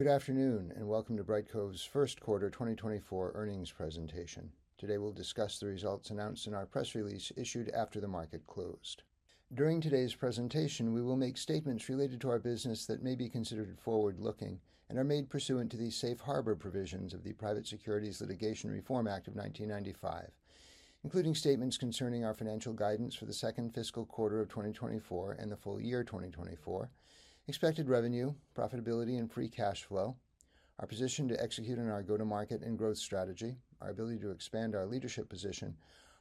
Good afternoon, and welcome to Brightcove's first quarter 2024 earnings presentation. Today, we'll discuss the results announced in our press release issued after the market closed. During today's presentation, we will make statements related to our business that may be considered forward-looking and are made pursuant to the Safe Harbor provisions of the Private Securities Litigation Reform Act of 1995, including statements concerning our financial guidance for the second fiscal quarter of 2024 and the full year of 2024, expected revenue, profitability, and free cash flow, our position to execute on our go-to-market and growth strategy, our ability to expand our leadership position,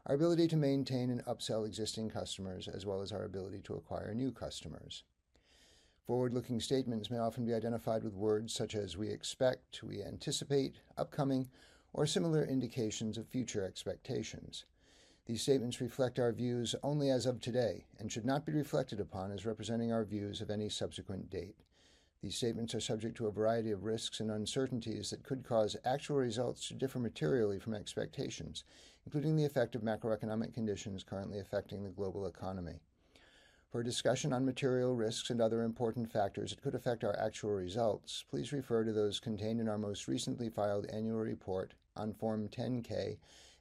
our ability to maintain and upsell existing customers, as well as our ability to acquire new customers. Forward-looking statements may often be identified with words such as we expect, we anticipate, upcoming, or similar indications of future expectations. These statements reflect our views only as of today and should not be reflected upon as representing our views of any subsequent date. These statements are subject to a variety of risks and uncertainties that could cause actual results to differ materially from expectations, including the effect of macroeconomic conditions currently affecting the global economy. For a discussion on material risks and other important factors that could affect our actual results, please refer to those contained in our most recently filed annual report on Form 10-K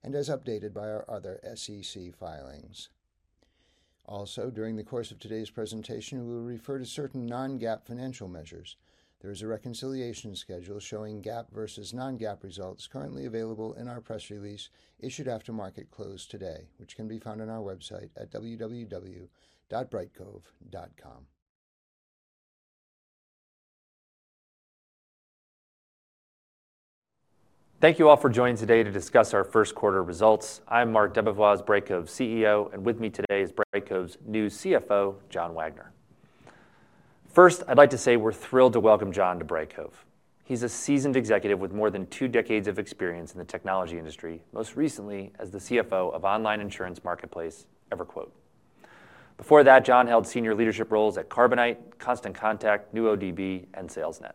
and as updated by our other SEC filings. Also, during the course of today's presentation, we will refer to certain non-GAAP financial measures. There is a reconciliation schedule showing GAAP versus non-GAAP results currently available in our press release issued after market close today, which can be found on our website at www.brightcove.com. Thank you all for joining today to discuss our first quarter results. I'm Marc DeBevoise, Brightcove's CEO, and with me today is Brightcove's new CFO, John Wagner. First, I'd like to say we're thrilled to welcome John to Brightcove. He's a seasoned executive with more than two decades of experience in the technology industry, most recently as the CFO of online insurance marketplace, EverQuote. Before that, John held senior leadership roles at Carbonite, Constant Contact, NuoDB, and Salesnet.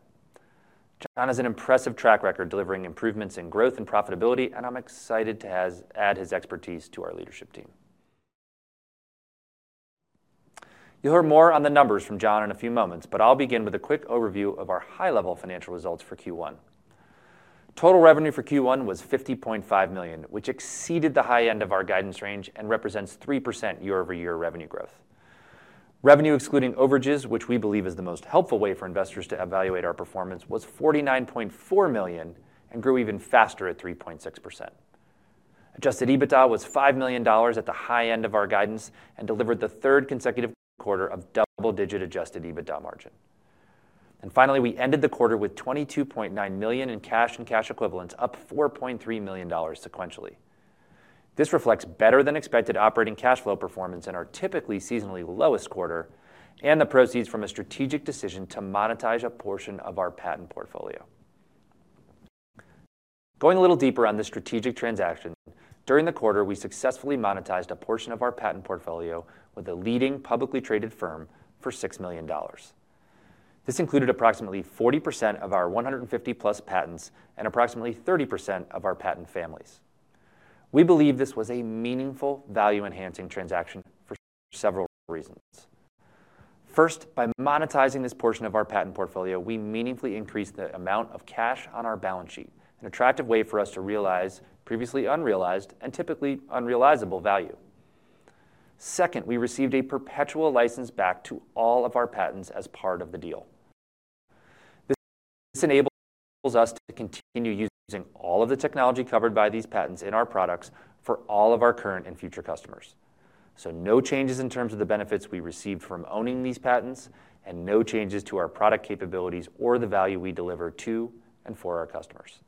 John has an impressive track record, delivering improvements in growth and profitability, and I'm excited to add his expertise to our leadership team. You'll hear more on the numbers from John in a few moments, but I'll begin with a quick overview of our high-level financial results for Q1. Total revenue for Q1 was $50.5 million, which exceeded the high end of our guidance range and represents 3% year-over-year revenue growth. Revenue, excluding overages, which we believe is the most helpful way for investors to evaluate our performance, was $49.4 million and grew even faster at 3.6%. Adjusted EBITDA was $5 million at the high end of our guidance and delivered the third consecutive quarter of double-digit adjusted EBITDA margin. And finally, we ended the quarter with $22.9 million in cash and cash equivalents, up $4.3 million sequentially. This reflects better-than-expected operating cash flow performance in our typically seasonally lowest quarter and the proceeds from a strategic decision to monetize a portion of our patent portfolio. Going a little deeper on the strategic transaction, during the quarter, we successfully monetized a portion of our patent portfolio with a leading publicly traded firm for $6 million. This included approximately 40% of our 150+ patents and approximately 30% of our patent families. We believe this was a meaningful value-enhancing transaction for several reasons. First, by monetizing this portion of our patent portfolio, we meaningfully increased the amount of cash on our balance sheet, an attractive way for us to realize previously unrealized and typically unrealizable value. Second, we received a perpetual license back to all of our patents as part of the deal. This enables us to continue using all of the technology covered by these patents in our products for all of our current and future customers. So no changes in terms of the benefits we received from owning these patents, and no changes to our product capabilities or the value we deliver to and for our customers.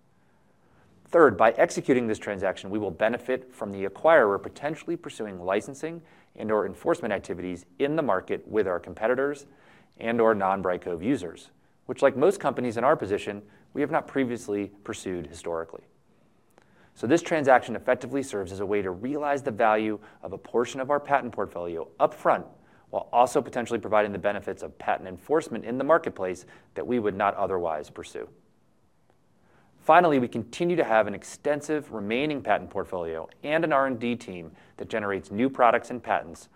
Third, by executing this transaction, we will benefit from the acquirer potentially pursuing licensing and/or enforcement activities in the market with our competitors and or non-Brightcove users, which, like most companies in our position, we have not previously pursued historically. So this transaction effectively serves as a way to realize the value of a portion of our patent portfolio upfront, while also potentially providing the benefits of patent enforcement in the marketplace that we would not otherwise pursue. Finally, we continue to have an extensive remaining patent portfolio and an R&D team that generates new products and patents,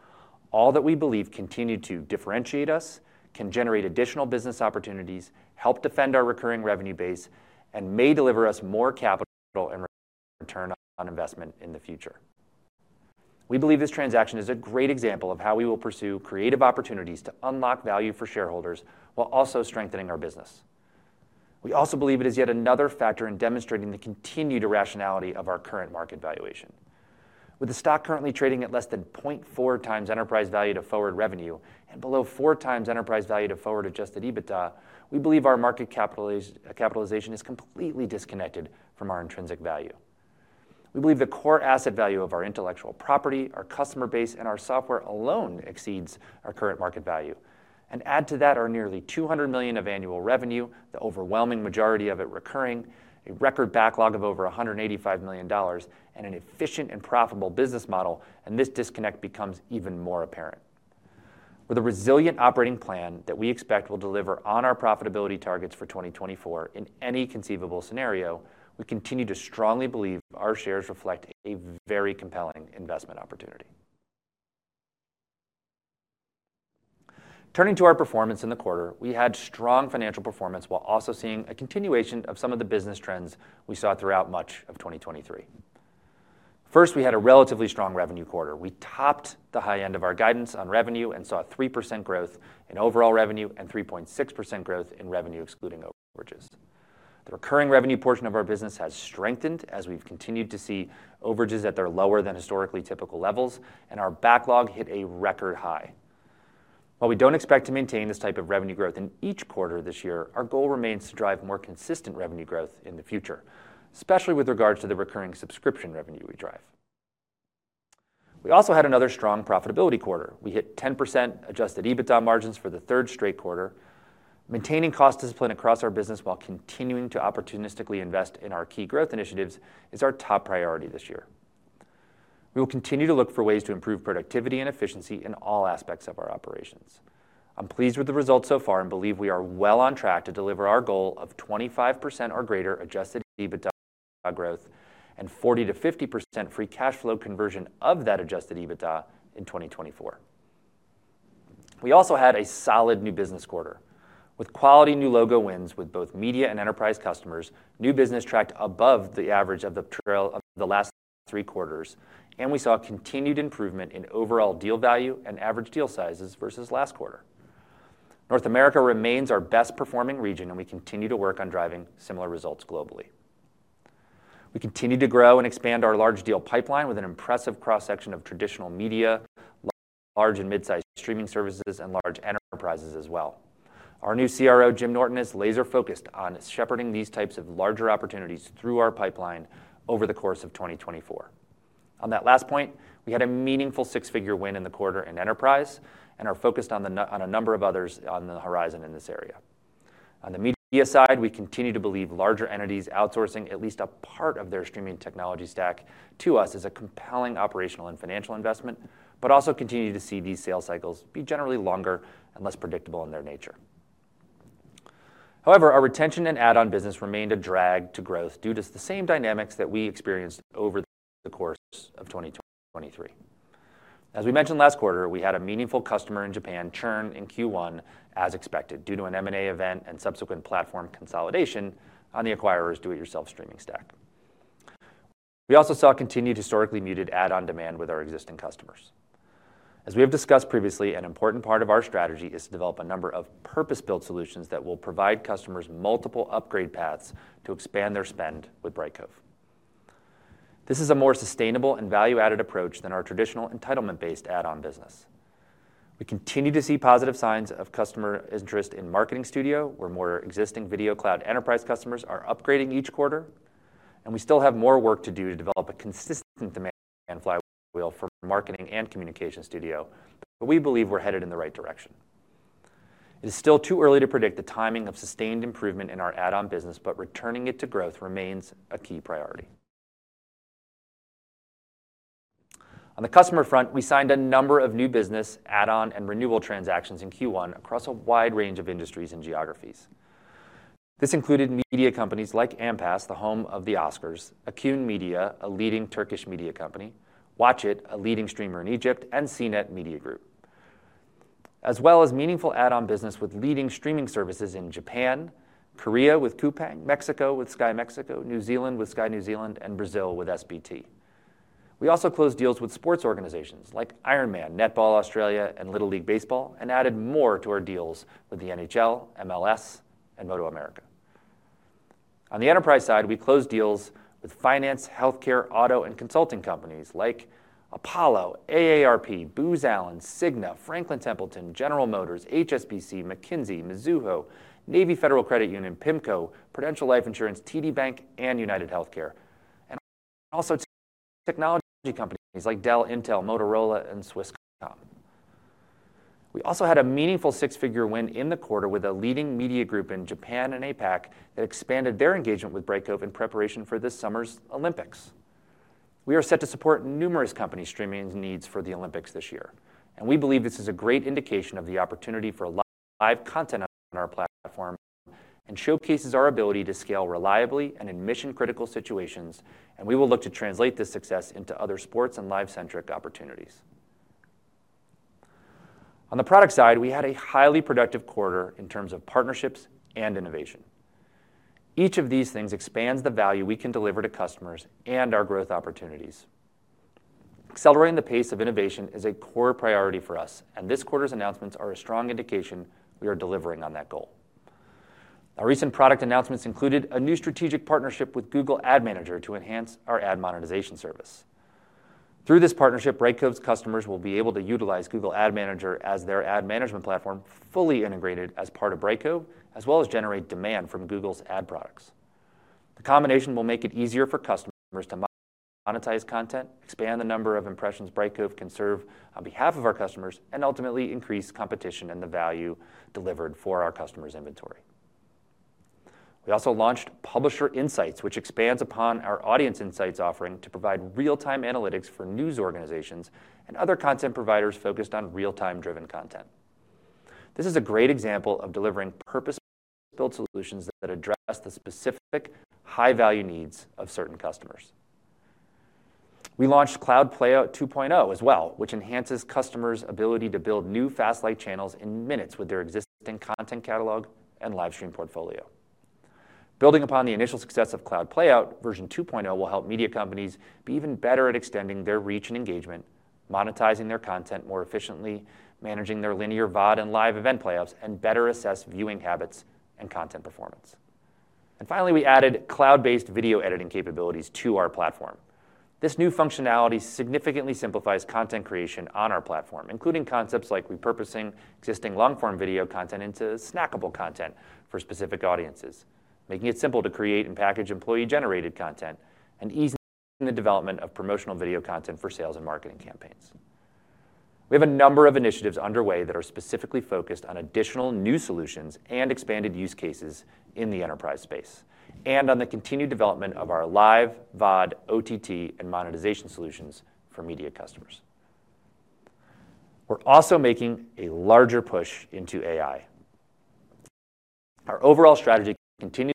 all that we believe continue to differentiate us, can generate additional business opportunities, help defend our recurring revenue base, and may deliver us more capital and return on investment in the future. We believe this transaction is a great example of how we will pursue creative opportunities to unlock value for shareholders while also strengthening our business. We also believe it is yet another factor in demonstrating the continued irrationality of our current market valuation. With the stock currently trading at less than 0.4x enterprise value to forward revenue and below 4x enterprise value to forward adjusted EBITDA, we believe our market capitalization is completely disconnected from our intrinsic value. We believe the core asset value of our intellectual property, our customer base, and our software alone exceeds our current market value. And add to that our nearly $200 million of annual revenue, the overwhelming majority of it recurring, a record backlog of over $185 million, and an efficient and profitable business model, and this disconnect becomes even more apparent. With a resilient operating plan that we expect will deliver on our profitability targets for 2024 in any conceivable scenario, we continue to strongly believe our shares reflect a very compelling investment opportunity. Turning to our performance in the quarter, we had strong financial performance, while also seeing a continuation of some of the business trends we saw throughout much of 2023. First, we had a relatively strong revenue quarter. We topped the high end of our guidance on revenue and saw a 3% growth in overall revenue and 3.6% growth in revenue, excluding overages. The recurring revenue portion of our business has strengthened as we've continued to see overages that are lower than historically typical levels, and our backlog hit a record high. While we don't expect to maintain this type of revenue growth in each quarter this year, our goal remains to drive more consistent revenue growth in the future, especially with regard to the recurring subscription revenue we drive. We also had another strong profitability quarter. We hit 10% adjusted EBITDA margins for the third straight quarter. Maintaining cost discipline across our business while continuing to opportunistically invest in our key growth initiatives is our top priority this year. We will continue to look for ways to improve productivity and efficiency in all aspects of our operations. I'm pleased with the results so far and believe we are well on track to deliver our goal of 25% or greater adjusted EBITDA growth and 40%-50% free cash flow conversion of that adjusted EBITDA in 2024. We also had a solid new business quarter. With quality new logo wins with both media and enterprise customers, new business tracked above the average of the trailing of the last three quarters, and we saw a continued improvement in overall deal value and average deal sizes versus last quarter. North America remains our best-performing region, and we continue to work on driving similar results globally. We continue to grow and expand our large deal pipeline with an impressive cross-section of traditional media, large and mid-sized streaming services, and large enterprises as well. Our new CRO, Jim Norton, is laser-focused on shepherding these types of larger opportunities through our pipeline over the course of 2024. On that last point, we had a meaningful six-figure win in the quarter in enterprise and are focused on a number of others on the horizon in this area. On the media side, we continue to believe larger entities outsourcing at least a part of their streaming technology stack to us is a compelling operational and financial investment, but also continue to see these sales cycles be generally longer and less predictable in their nature. However, our retention and add-on business remained a drag to growth due to the same dynamics that we experienced over the course of 2023. As we mentioned last quarter, we had a meaningful customer in Japan churn in Q1 as expected, due to an M&A event and subsequent platform consolidation on the acquirers do-it-yourself streaming stack. We also saw continued historically muted add-on demand with our existing customers. As we have discussed previously, an important part of our strategy is to develop a number of purpose-built solutions that will provide customers multiple upgrade paths to expand their spend with Brightcove. This is a more sustainable and value-added approach than our traditional entitlement-based add-on business. We continue to see positive signs of customer interest in Marketing Studio, where more existing Video Cloud enterprise customers are upgrading each quarter, and we still have more work to do to develop a consistent demand flywheel for Marketing and Communications Studio, but we believe we're headed in the right direction. It is still too early to predict the timing of sustained improvement in our add-on business, but returning it to growth remains a key priority. On the customer front, we signed a number of new business add-on and renewal transactions in Q1 across a wide range of industries and geographies. This included media companies like AMPAS, the home of the Oscars, Acun Medya, a leading Turkish media company, WATCH IT, a leading streamer in Egypt, and CNET Media Group. As well as meaningful add-on business with leading streaming services in Japan, Korea with Coupang, Mexico with Sky Mexico, New Zealand with Sky New Zealand, and Brazil with SBT. We also closed deals with sports organizations like Ironman, Netball Australia, and Little League Baseball, and added more to our deals with the NHL, MLS, and MotoAmerica. On the enterprise side, we closed deals with finance, healthcare, auto, and consulting companies like Apollo, AARP, Booz Allen, Cigna, Franklin Templeton, General Motors, HSBC, McKinsey, Mizuho, Navy Federal Credit Union, Pimco, Prudential Life Insurance, TD Bank, and UnitedHealthcare. Also technology companies like Dell, Intel, Motorola, and Swisscom. We also had a meaningful six-figure win in the quarter with a leading media group in Japan and APAC that expanded their engagement with Brightcove in preparation for this summer's Olympics. We are set to support numerous company streaming needs for the Olympics this year, and we believe this is a great indication of the opportunity for live content on our platform and showcases our ability to scale reliably and in mission-critical situations, and we will look to translate this success into other sports and live-centric opportunities. On the product side, we had a highly productive quarter in terms of partnerships and innovation. Each of these things expands the value we can deliver to customers and our growth opportunities. Accelerating the pace of innovation is a core priority for us, and this quarter's announcements are a strong indication we are delivering on that goal. Our recent product announcements included a new strategic partnership with Google Ad Manager to enhance our ad monetization service. Through this partnership, Brightcove's customers will be able to utilize Google Ad Manager as their ad management platform, fully integrated as part of Brightcove, as well as generate demand from Google's ad products. The combination will make it easier for customers to monetize content, expand the number of impressions Brightcove can serve on behalf of our customers, and ultimately increase competition and the value delivered for our customers' inventory. We also launched Publisher Insights, which expands upon our Audience Insights offering to provide real-time analytics for news organizations and other content providers focused on real-time driven content. This is a great example of delivering purpose-built solutions that address the specific high-value needs of certain customers. We launched Cloud Playout 2.0 as well, which enhances customers' ability to build new FAST channels in minutes with their existing content catalog and live stream portfolio. Building upon the initial success of Cloud Playout, version 2.0 will help media companies be even better at extending their reach and engagement, monetizing their content more efficiently, managing their linear VOD and live event playouts, and better assess viewing habits and content performance. And finally, we added cloud-based video editing capabilities to our platform. This new functionality significantly simplifies content creation on our platform, including concepts like repurposing existing long-form video content into snackable content for specific audiences, making it simple to create and package employee-generated content, and easing the development of promotional video content for sales and marketing campaigns. We have a number of initiatives underway that are specifically focused on additional new solutions and expanded use cases in the enterprise space, and on the continued development of our live VOD, OTT, and monetization solutions for media customers. We're also making a larger push into AI. Our overall strategy continues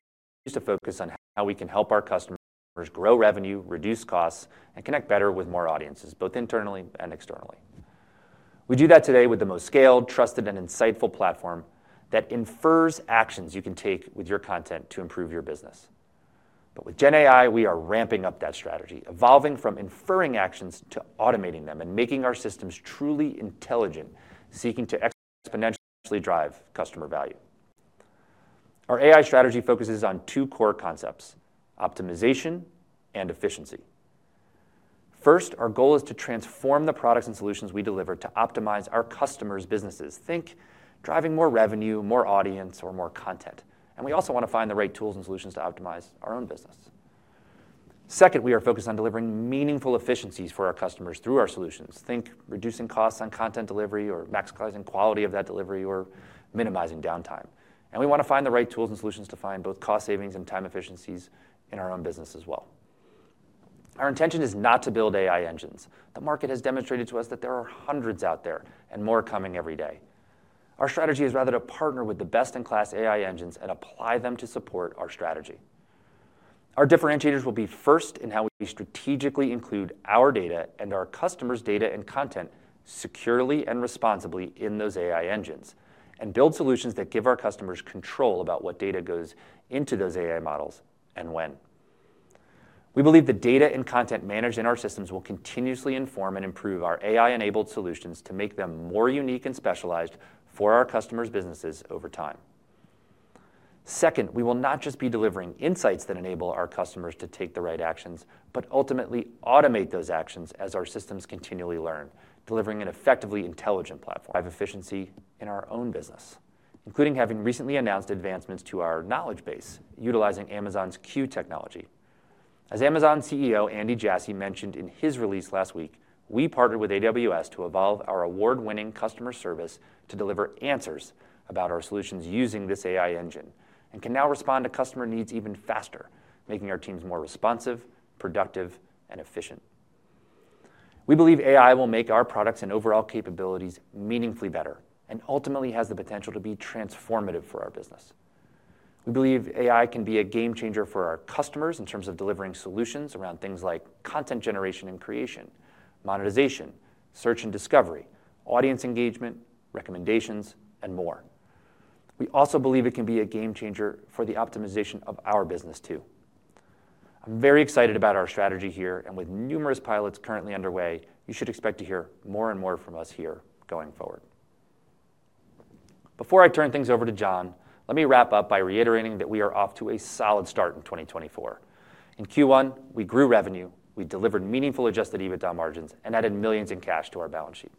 to focus on how we can help our customers grow revenue, reduce costs, and connect better with more audiences, both internally and externally. We do that today with the most scaled, trusted, and insightful platform that infers actions you can take with your content to improve your business. But with GenAI, we are ramping up that strategy, evolving from inferring actions to automating them and making our systems truly intelligent, seeking to exponentially drive customer value. Our AI strategy focuses on two core concepts: optimization and efficiency. First, our goal is to transform the products and solutions we deliver to optimize our customers' businesses. Think driving more revenue, more audience, or more content. We also wanna find the right tools and solutions to optimize our own business. Second, we are focused on delivering meaningful efficiencies for our customers through our solutions. Think reducing costs on content delivery or maximizing quality of that delivery, or minimizing downtime. We wanna find the right tools and solutions to find both cost savings and time efficiencies in our own business as well. Our intention is not to build AI engines. The market has demonstrated to us that there are hundreds out there, and more coming every day. Our strategy is rather to partner with the best-in-class AI engines and apply them to support our strategy. Our differentiators will be first in how we strategically include our data and our customers' data and content securely and responsibly in those AI engines, and build solutions that give our customers control about what data goes into those AI models and when. We believe the data and content managed in our systems will continuously inform and improve our AI-enabled solutions to make them more unique and specialized for our customers' businesses over time. Second, we will not just be delivering insights that enable our customers to take the right actions, but ultimately automate those actions as our systems continually learn, delivering an effectively intelligent platform. I have efficiency in our own business, including having recently announced advancements to our knowledge base, utilizing Amazon's Q technology. As Amazon CEO Andy Jassy mentioned in his release last week, we partnered with AWS to evolve our award-winning customer service to deliver answers about our solutions using this AI engine, and can now respond to customer needs even faster, making our teams more responsive, productive, and efficient. We believe AI will make our products and overall capabilities meaningfully better and ultimately has the potential to be transformative for our business. We believe AI can be a game changer for our customers in terms of delivering solutions around things like content generation and creation, monetization, search and discovery, audience engagement, recommendations, and more. We also believe it can be a game changer for the optimization of our business, too. I'm very excited about our strategy here, and with numerous pilots currently underway, you should expect to hear more and more from us here going forward. Before I turn things over to John, let me wrap up by reiterating that we are off to a solid start in 2024. In Q1, we grew revenue, we delivered meaningful adjusted EBITDA margins, and added millions in cash to our balance sheet.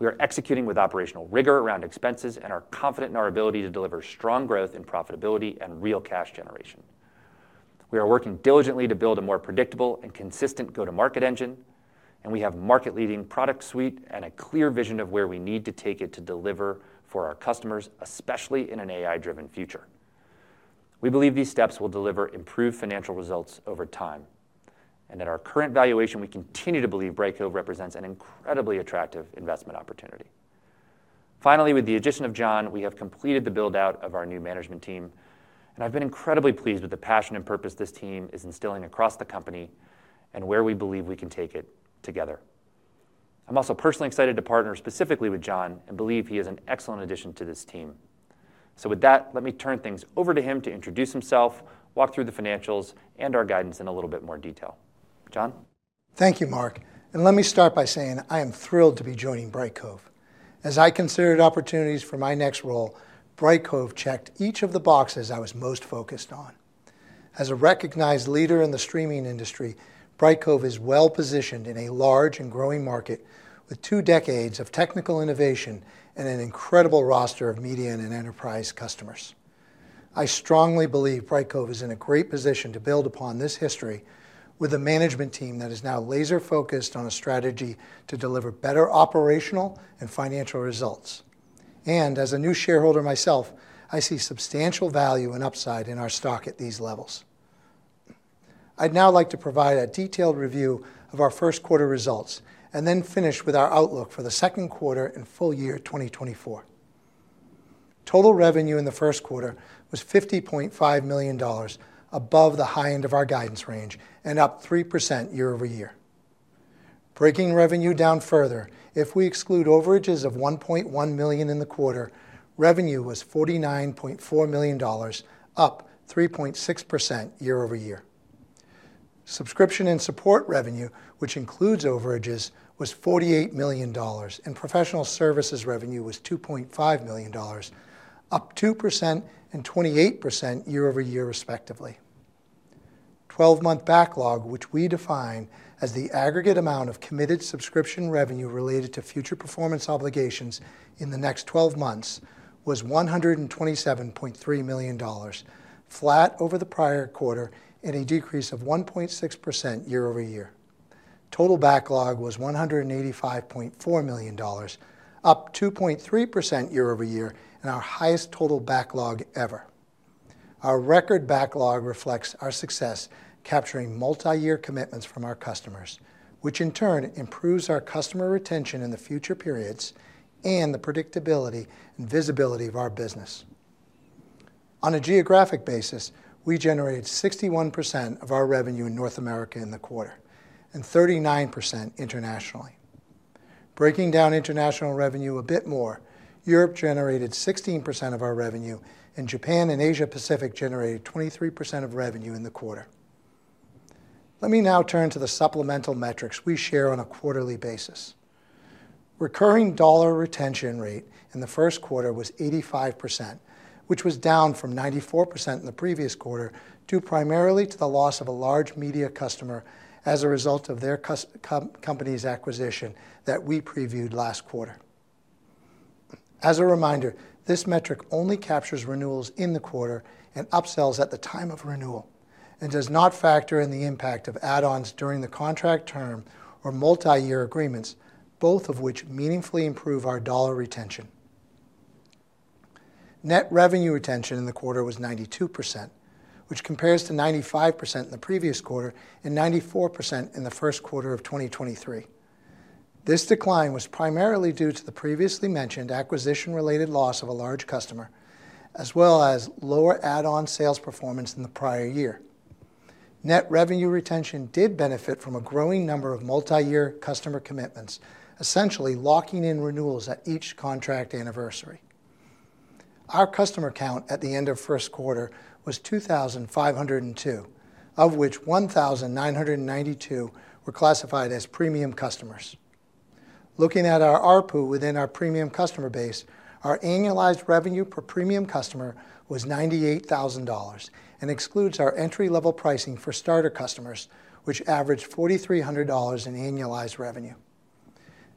We are executing with operational rigor around expenses and are confident in our ability to deliver strong growth in profitability and real cash generation. We are working diligently to build a more predictable and consistent go-to-market engine, and we have market-leading product suite and a clear vision of where we need to take it to deliver for our customers, especially in an AI-driven future. We believe these steps will deliver improved financial results over time, and at our current valuation, we continue to believe Brightcove represents an incredibly attractive investment opportunity. Finally, with the addition of John, we have completed the build-out of our new management team, and I've been incredibly pleased with the passion and purpose this team is instilling across the company and where we believe we can take it together. I'm also personally excited to partner specifically with John and believe he is an excellent addition to this team. With that, let me turn things over to him to introduce himself, walk through the financials, and our guidance in a little bit more detail. John? Thank you, Marc, and let me start by saying I am thrilled to be joining Brightcove. As I considered opportunities for my next role, Brightcove checked each of the boxes I was most focused on. As a recognized leader in the streaming industry, Brightcove is well-positioned in a large and growing market with two decades of technical innovation and an incredible roster of media and enterprise customers. I strongly believe Brightcove is in a great position to build upon this history with a management team that is now laser-focused on a strategy to deliver better operational and financial results. As a new shareholder myself, I see substantial value and upside in our stock at these levels. I'd now like to provide a detailed review of our first quarter results and then finish with our outlook for the second quarter and full year 2024. Total revenue in the first quarter was $50.5 million, above the high end of our guidance range and up 3% year-over-year. Breaking revenue down further, if we exclude overages of $1.1 million in the quarter, revenue was $49.4 million, up 3.6% year-over-year. Subscription and support revenue, which includes overages, was $48 million, and professional services revenue was $2.5 million, up 2% and 28% year-over-year, respectively. 12 month backlog, which we define as the aggregate amount of committed subscription revenue related to future performance obligations in the next 12 months, was $127.3 million, flat over the prior quarter, and a decrease of 1.6% year-over-year. Total backlog was $185.4 million, up 2.3% year-over-year, and our highest total backlog ever. Our record backlog reflects our success capturing multi-year commitments from our customers, which in turn improves our customer retention in the future periods and the predictability and visibility of our business. On a geographic basis, we generated 61% of our revenue in North America in the quarter and 39% internationally. Breaking down international revenue a bit more, Europe generated 16% of our revenue, and Japan and Asia Pacific generated 23% of revenue in the quarter. Let me now turn to the supplemental metrics we share on a quarterly basis. Recurring dollar retention rate in the first quarter was 85%, which was down from 94% in the previous quarter, due primarily to the loss of a large media customer as a result of their company's acquisition that we previewed last quarter. As a reminder, this metric only captures renewals in the quarter and upsells at the time of renewal and does not factor in the impact of add-ons during the contract term or multi-year agreements, both of which meaningfully improve our dollar retention. Net revenue retention in the quarter was 92%, which compares to 95% in the previous quarter and 94% in the first quarter of 2023. This decline was primarily due to the previously mentioned acquisition-related loss of a large customer, as well as lower add-on sales performance in the prior year. Net revenue retention did benefit from a growing number of multi-year customer commitments, essentially locking in renewals at each contract anniversary. Our customer count at the end of first quarter was 2,502, of which 1,992 were classified as premium customers. Looking at our ARPU within our premium customer base, our annualized revenue per premium customer was $98,000 and excludes our entry-level pricing for starter customers, which averaged $4,300 in annualized revenue.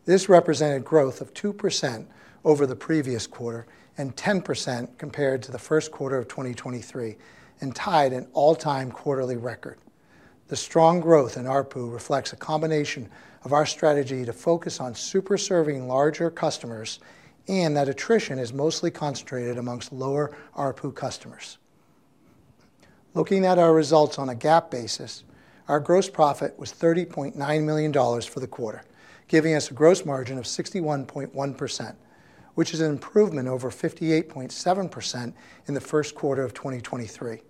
This represented growth of 2% over the previous quarter and 10% compared to the first quarter of 2023 and tied an all-time quarterly record. The strong growth in ARPU reflects a combination of our strategy to focus on super serving larger customers and that attrition is mostly concentrated amongst lower ARPU customers. Looking at our results on a GAAP basis, our gross profit was $30.9 million for the quarter, giving us a gross margin of 61.1%, which is an improvement over 58.7% in the first quarter of 2023.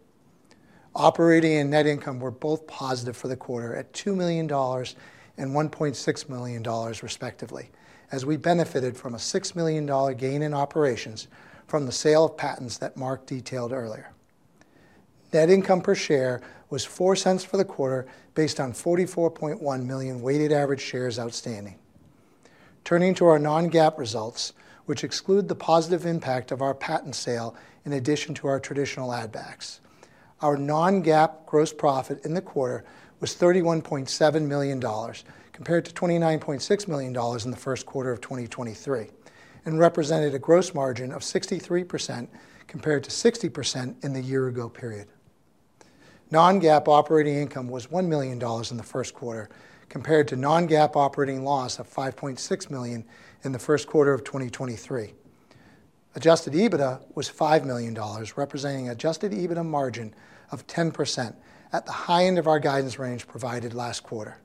Operating and net income were both positive for the quarter at $2 million and $1.6 million, respectively, as we benefited from a $6 million gain in operations from the sale of patents that Mark detailed earlier. Net income per share was $0.04 for the quarter, based on 44.1 million weighted average shares outstanding. Turning to our non-GAAP results, which exclude the positive impact of our patent sale in addition to our traditional add backs. Our non-GAAP gross profit in the quarter was $31.7 million, compared to $29.6 million in the first quarter of 2023, and represented a gross margin of 63%, compared to 60% in the year-ago period. Non-GAAP operating income was $1 million in the first quarter, compared to non-GAAP operating loss of $5.6 million in the first quarter of 2023. Adjusted EBITDA was $5 million, representing adjusted EBITDA margin of 10% at the high end of our guidance range provided last quarter.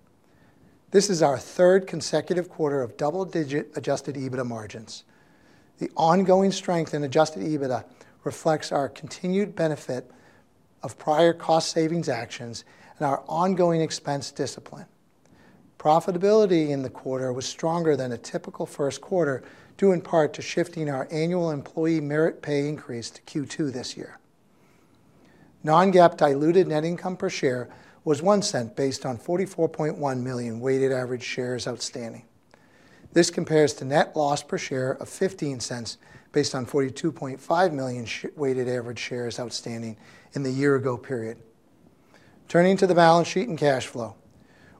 This is our third consecutive quarter of double-digit adjusted EBITDA margins. The ongoing strength in adjusted EBITDA reflects our continued benefit of prior cost savings actions and our ongoing expense discipline. Profitability in the quarter was stronger than a typical first quarter, due in part to shifting our annual employee merit pay increase to Q2 this year. Non-GAAP diluted net income per share was $0.01 based on 44.1 million weighted average shares outstanding. This compares to net loss per share of $0.15 based on 42.5 million weighted average shares outstanding in the year-ago period. Turning to the balance sheet and cash flow,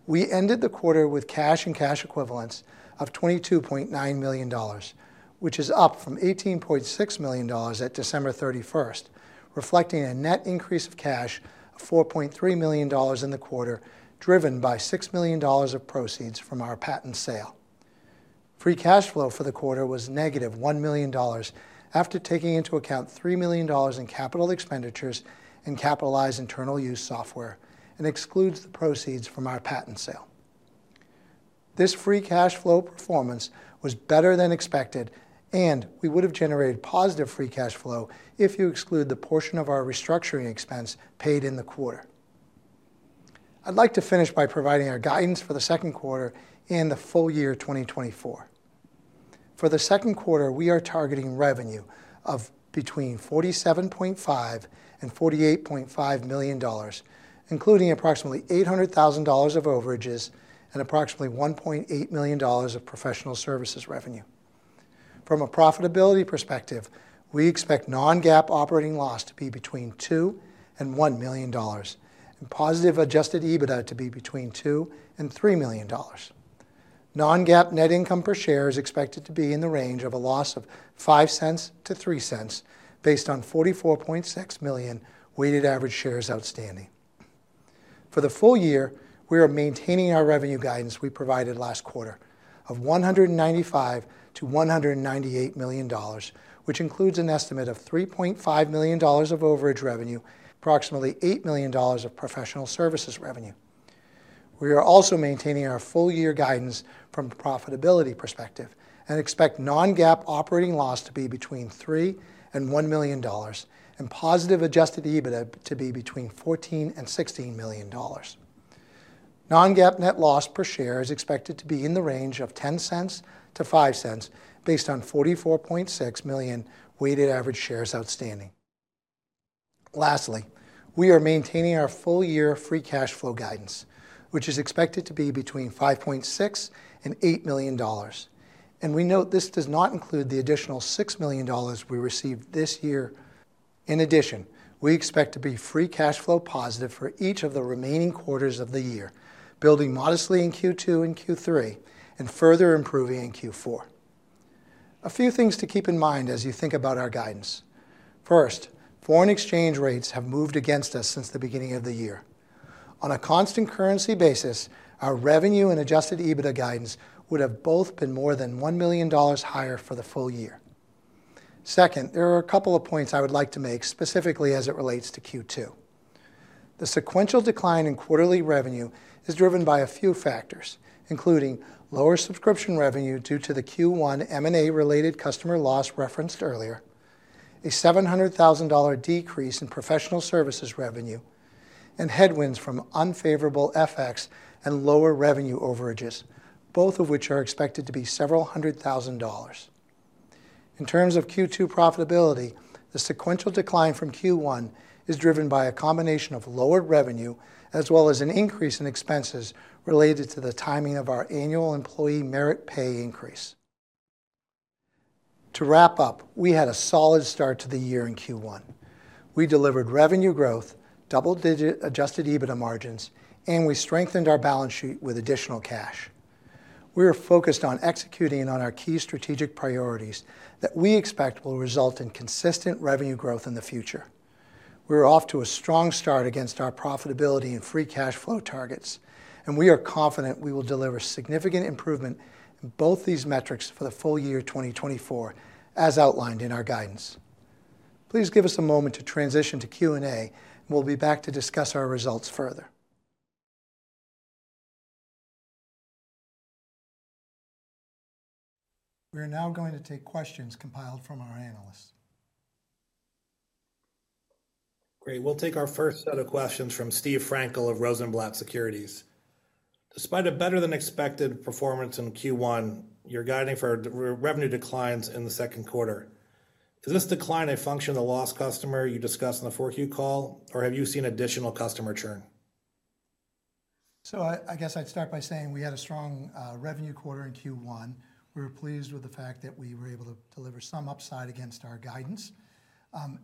we ended the quarter with cash and cash equivalents of $22.9 million, which is up from $18.6 million at December 31st, reflecting a net increase of cash of $4.3 million in the quarter, driven by $6 million of proceeds from our patent sale. Free cash flow for the quarter was -$1 million, after taking into account $3 million in capital expenditures and capitalized internal use software, and excludes the proceeds from our patent sale. This free cash flow performance was better than expected, and we would have generated positive free cash flow if you exclude the portion of our restructuring expense paid in the quarter. I'd like to finish by providing our guidance for the second quarter and the full year 2024. For the second quarter, we are targeting revenue of between $47.5 million and $48.5 million, including approximately $800,000 of overages and approximately $1.8 million of professional services revenue. From a profitability perspective, we expect non-GAAP operating loss to be between $2 million and $1 million, and positive adjusted EBITDA to be between $2 million and $3 million. Non-GAAP net income per share is expected to be in the range of a loss of $0.05-$0.03, based on 44.6 million weighted average shares outstanding. For the full year, we are maintaining our revenue guidance we provided last quarter of $195 million-$198 million, which includes an estimate of $3.5 million of overage revenue, approximately $8 million of professional services revenue. We are also maintaining our full year guidance from the profitability perspective and expect non-GAAP operating loss to be between $3 million and $1 million and positive adjusted EBITDA to be between $14 million and $16 million. Non-GAAP net loss per share is expected to be in the range of $0.10-$0.05, based on 44.6 million weighted average shares outstanding. Lastly, we are maintaining our full-year free cash flow guidance, which is expected to be between $5.6 million and $8 million. We note this does not include the additional $6 million we received this year. In addition, we expect to be free cash flow positive for each of the remaining quarters of the year, building modestly in Q2 and Q3 and further improving in Q4. A few things to keep in mind as you think about our guidance. First, foreign exchange rates have moved against us since the beginning of the year. On a constant currency basis, our revenue and adjusted EBITDA guidance would have both been more than $1 million higher for the full year. Second, there are a couple of points I would like to make specifically as it relates to Q2. The sequential decline in quarterly revenue is driven by a few factors, including: lower subscription revenue due to the Q1 M&A-related customer loss referenced earlier, a $700,000 decrease in professional services revenue, and headwinds from unfavorable FX and lower revenue overages, both of which are expected to be several hundred thousand dollars. In terms of Q2 profitability, the sequential decline from Q1 is driven by a combination of lower revenue as well as an increase in expenses related to the timing of our annual employee merit pay increase. To wrap up, we had a solid start to the year in Q1. We delivered revenue growth, double-digit adjusted EBITDA margins, and we strengthened our balance sheet with additional cash. We are focused on executing on our key strategic priorities that we expect will result in consistent revenue growth in the future. We're off to a strong start against our profitability and free cash flow targets, and we are confident we will deliver significant improvement in both these metrics for the full year 2024, as outlined in our guidance. Please give us a moment to transition to Q&A, and we'll be back to discuss our results further. We are now going to take questions compiled from our analysts. Great. We'll take our first set of questions from Steve Frankel of Rosenblatt Securities. Despite a better-than-expected performance in Q1, you're guiding for revenue declines in the second quarter. Is this decline a function of the lost customer you discussed on the 4Q call, or have you seen additional customer churn? So I guess I'd start by saying we had a strong revenue quarter in Q1. We were pleased with the fact that we were able to deliver some upside against our guidance.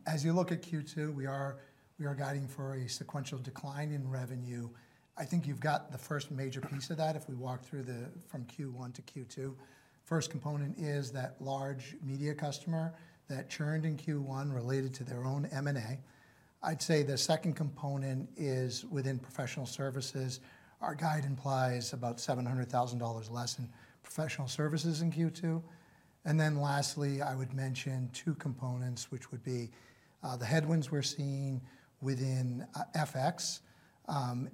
As you look at Q2, we are guiding for a sequential decline in revenue. I think you've got the first major piece of that if we walk through from Q1 to Q2. First component is that large media customer that churned in Q1 related to their own M&A. I'd say the second component is within professional services. Our guide implies about $700,000 less in professional services in Q2. And then lastly, I would mention two components, which would be the headwinds we're seeing within FX,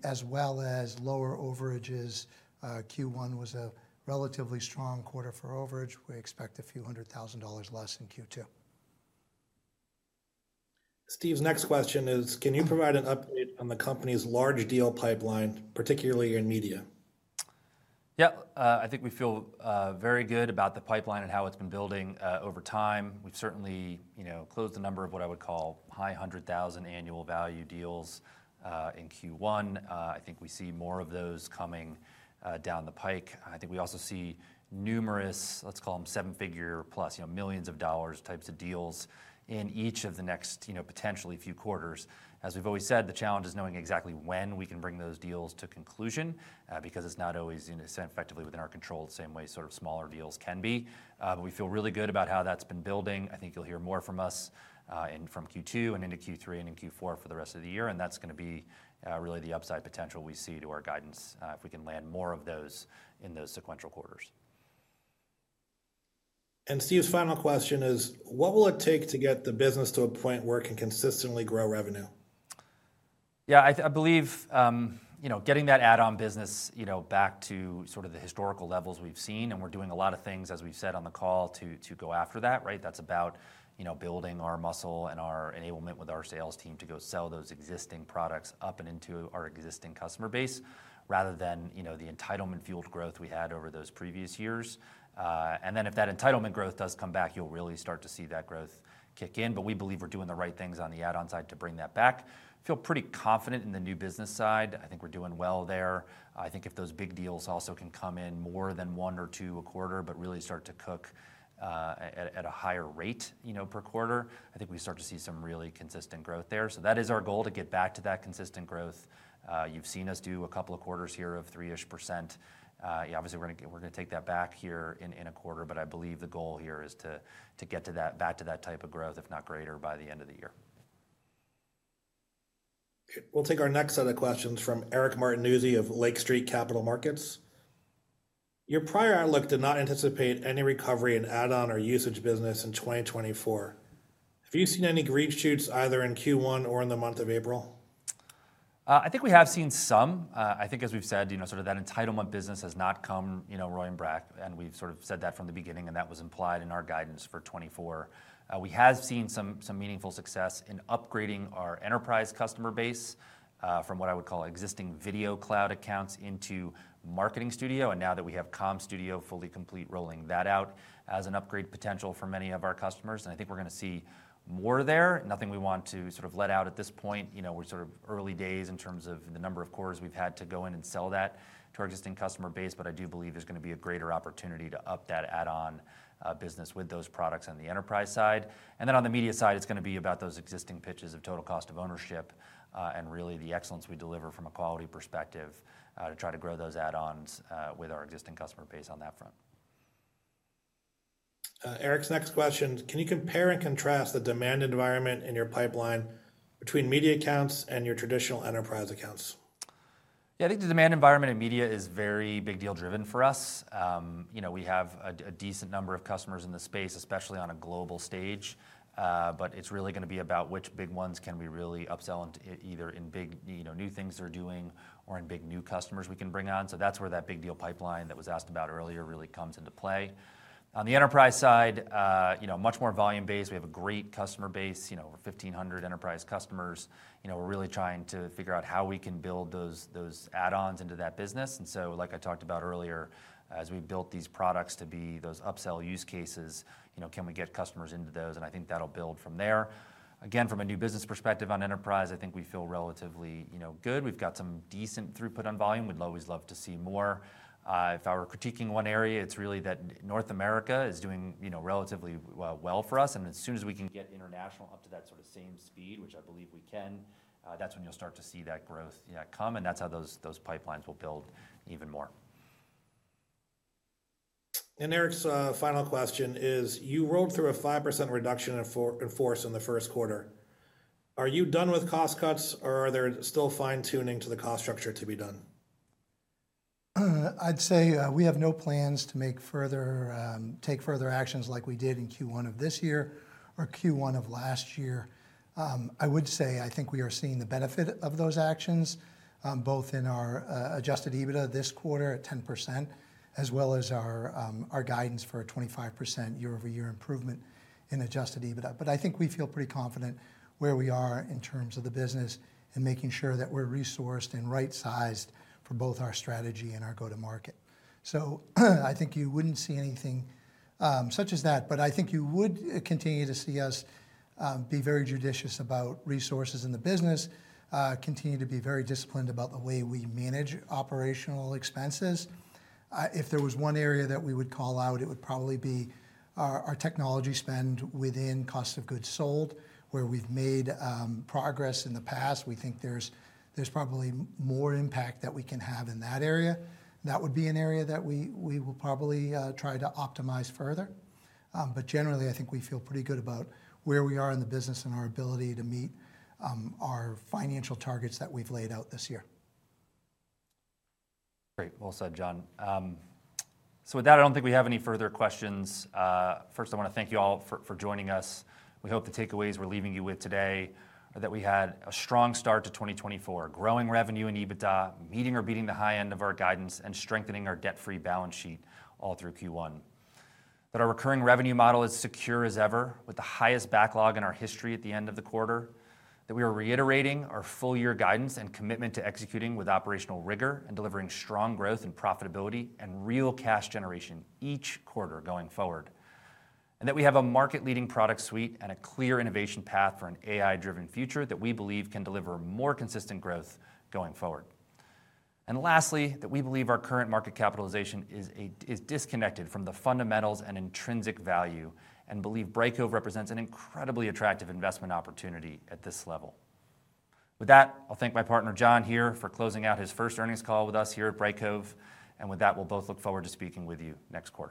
as well as lower overages. Q1 was a relatively strong quarter for overage. We expect a few $100,000 less in Q2. Steve's next question is: Can you provide an update on the company's large deal pipeline, particularly in media? Yeah. I think we feel very good about the pipeline and how it's been building over time. We've certainly, you know, closed a number of what I would call high $100,000 annual value deals in Q1. I think we see more of those coming down the pike. I think we also see numerous, let's call them seven-figure plus, you know, $ millions types of deals in each of the next, you know, potentially few quarters. As we've always said, the challenge is knowing exactly when we can bring those deals to conclusion because it's not always effectively within our control, the same way sort of smaller deals can be. But we feel really good about how that's been building. I think you'll hear more from us, and from Q2 and into Q3 and in Q4 for the rest of the year, and that's gonna be, really the upside potential we see to our guidance, if we can land more of those in those sequential quarters. Steve's final question is: What will it take to get the business to a point where it can consistently grow revenue? Yeah, I believe, you know, getting that add-on business, you know, back to sort of the historical levels we've seen, and we're doing a lot of things, as we've said on the call, to go after that, right? That's about, you know, building our muscle and our enablement with our sales team to go sell those existing products up and into our existing customer base, rather than, you know, the entitlement-fueled growth we had over those previous years. And then, if that entitlement growth does come back, you'll really start to see that growth kick in. But we believe we're doing the right things on the add-on side to bring that back. Feel pretty confident in the new business side. I think we're doing well there. I think if those big deals also can come in more than one or two a quarter, but really start to cook at a higher rate, you know, per quarter, I think we start to see some really consistent growth there. So that is our goal, to get back to that consistent growth. You've seen us do a couple of quarters here of 3% ish. Yeah, obviously, we're gonna take that back here in a quarter, but I believe the goal here is to get back to that type of growth, if not greater, by the end of the year. We'll take our next set of questions from Eric Martinuzzi of Lake Street Capital Markets. Your prior outlook did not anticipate any recovery in add-on or usage business in 2024. Have you seen any green shoots, either in Q1 or in the month of April? I think, as we've said, you know, sort of that entitlement business has not come, you know, roaring back, and we've sort of said that from the beginning, and that was implied in our guidance for 2024. We have seen some meaningful success in upgrading our enterprise customer base from what I would call existing Video Cloud accounts into Marketing Studio. And now that we have Communications Cloud fully complete, rolling that out as an upgrade potential for many of our customers, and I think we're gonna see more there. Nothing we want to sort of let out at this point. You know, we're sort of early days in terms of the number of quarters we've had to go in and sell that to our existing customer base, but I do believe there's gonna be a greater opportunity to up that add-on, business with those products on the enterprise side. And then on the media side, it's gonna be about those existing pitches of total cost of ownership, and really the excellence we deliver from a quality perspective, to try to grow those add-ons, with our existing customer base on that front. Eric's next question: Can you compare and contrast the demand environment in your pipeline between media accounts and your traditional enterprise accounts? Yeah, I think the demand environment in media is very big deal driven for us. You know, we have a decent number of customers in the space, especially on a global stage. But it's really gonna be about which big ones can we really upsell into either in big, you know, new things they're doing or in big new customers we can bring on. So that's where that big deal pipeline that was asked about earlier really comes into play. On the enterprise side, you know, much more volume-based. We have a great customer base, you know, over 1,500 enterprise customers. You know, we're really trying to figure out how we can build those add-ons into that business, and so like I talked about earlier, as we built these products to be those upsell use cases, you know, can we get customers into those? And I think that'll build from there. Again, from a new business perspective on enterprise, I think we feel relatively, you know, good. We've got some decent throughput on volume. We'd always love to see more. If I were critiquing one area, it's really that North America is doing, you know, relatively well for us, and as soon as we can get international up to that sort of same speed, which I believe we can, that's when you'll start to see that growth, yeah, come, and that's how those pipelines will build even more. Eric's final question is: You rode through a 5% reduction in force in the first quarter. Are you done with cost cuts, or are there still fine-tuning to the cost structure to be done? I'd say, we have no plans to make further, take further actions like we did in Q1 of this year or Q1 of last year. I would say I think we are seeing the benefit of those actions, both in our, adjusted EBITDA this quarter at 10%, as well as our, our guidance for a 25% year-over-year improvement in adjusted EBITDA. But I think we feel pretty confident where we are in terms of the business and making sure that we're resourced and right-sized for both our strategy and our go-to-market. So, I think you wouldn't see anything, such as that, but I think you would, continue to see us, be very judicious about resources in the business, continue to be very disciplined about the way we manage operational expenses. If there was one area that we would call out, it would probably be our technology spend within cost of goods sold, where we've made progress in the past. We think there's probably more impact that we can have in that area. That would be an area that we will probably try to optimize further. But generally, I think we feel pretty good about where we are in the business and our ability to meet our financial targets that we've laid out this year. Great. Well said, John. So with that, I don't think we have any further questions. First, I wanna thank you all for joining us. We hope the takeaways we're leaving you with today are that we had a strong start to 2024, growing revenue and EBITDA, meeting or beating the high end of our guidance, and strengthening our debt-free balance sheet all through Q1. That our recurring revenue model is secure as ever, with the highest backlog in our history at the end of the quarter. That we are reiterating our full year guidance and commitment to executing with operational rigor and delivering strong growth and profitability and real cash generation each quarter going forward. And that we have a market-leading product suite and a clear innovation path for an AI-driven future that we believe can deliver more consistent growth going forward. And lastly, that we believe our current market capitalization is disconnected from the fundamentals and intrinsic value, and believe Brightcove represents an incredibly attractive investment opportunity at this level. With that, I'll thank my partner, John, here for closing out his first earnings call with us here at Brightcove, and with that, we'll both look forward to speaking with you next quarter.